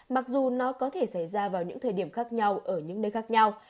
mặc dù nó có thể xảy ra vào những thời điểm khác nhau ở những nơi khác nhau